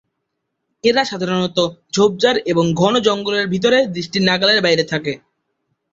এরা সাধারনত, ঝোপঝাড় এবং ঘন জঙ্গলের ভিতরে দৃষ্টির নাগালের বাইরে থাকে।